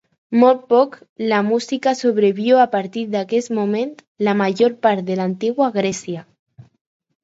Molt poc la música sobreviu a partir d'aquest moment, la major part de l'antiga Grècia.